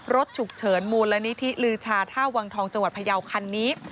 รถฉุกเฉินมูลนิธิลือชาท่าวังทองจังหวัดพยาวคันนี้